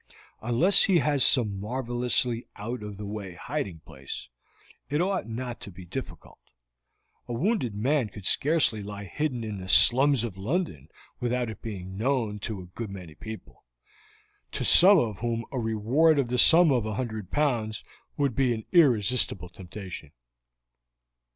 Unless he has some marvelously out of the way hiding place, it ought not to be difficult. A wounded man could scarcely lie hidden in the slums of London without it being known to a good many people, to some of whom a reward of the sum of a hundred pounds would be an irresistible temptation."